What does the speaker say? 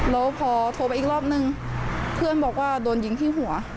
แล้วพอโทรไปอีกรอบนึงเพื่อนบอกว่าโดนยิงที่หัว